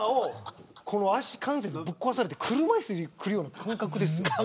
足関節ぶっ壊されて車いすで来るような感覚ですよ。